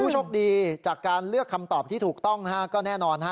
โชคดีจากการเลือกคำตอบที่ถูกต้องนะฮะก็แน่นอนฮะ